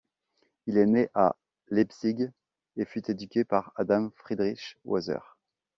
Il est né à Leipzig et fut éduqué par Adam Friedrich Oeser.